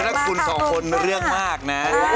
ถ้าคุณสองคนเรื่องมากนะ